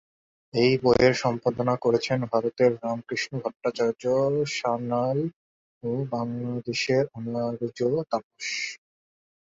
এই বইয়ের সম্পাদনা করেছেন ভারতের রামকৃষ্ণ ভট্টাচার্য সান্যাল ও বাংলাদেশের অনার্য তাপস।